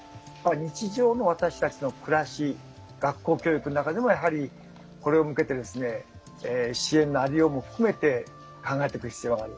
日常の私たちの暮らし学校教育の中でもやはりこれに向けて支援の在りようも含めて考えていく必要がある。